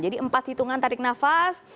jadi empat hitungan tarik nafas